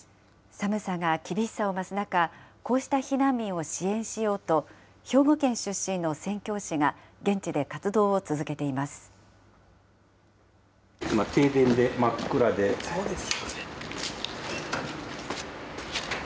寒さが厳しさを増す中、こうした避難民を支援しようと、兵庫県出身の宣教師が現地で活動を続けています。